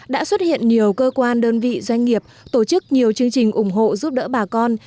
đã xuất hiện nhiều cơ quan đơn vị doanh nghiệp tổ chức nhiều chương trình ủng hộ giúp đỡ bà con